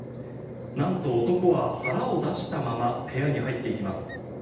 なんと男は腹を出したまま部屋に入っていきます。